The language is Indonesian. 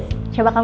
saya mau mengangkat